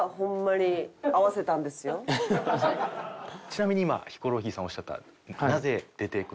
ちなみに今ヒコロヒーさんおっしゃった。